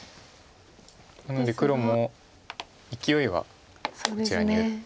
なので黒もいきおいはこちらに打って。